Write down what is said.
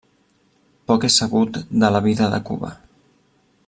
Poc és sabut de la vida de Cuba.